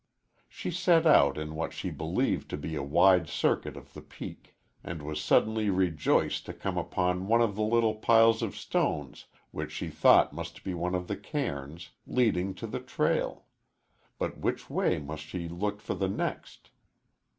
She set out in what she believed to be a wide circuit of the peak, and was suddenly rejoiced to come upon one of the little piles of stones which she thought must be one of the cairns, leading to the trail. But which way must she look for the next?